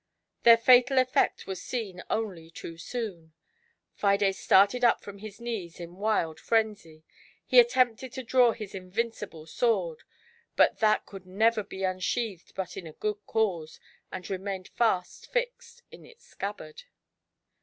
Their fatal effect was seen only too soon ; Fides started up from his knees in wild frenzy — he attempted to draw his invincible sword, but that could never be unsheathed but in a good cause, and remained fast fixed in its scab bard.